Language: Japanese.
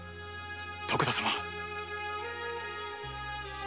徳田様。